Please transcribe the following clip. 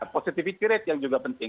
positivity rate yang juga penting